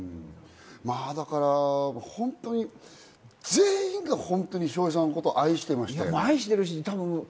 だから本当に全員が笑瓶さんの事を愛してましたよね。